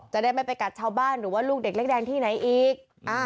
จะได้ไม่ไปกัดชาวบ้านหรือว่าลูกเด็กเล็กแดงที่ไหนอีก